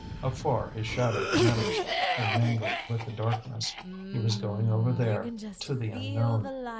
Afar his shadow diminished and mingled with the darkness. He was going over there, to the unknown.